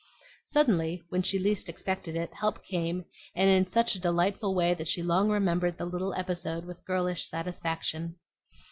Suddenly, when she least expected it, help came, and in such a delightful way that she long remembered the little episode with girlish satisfaction.